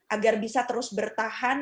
agar bisa terus bertahan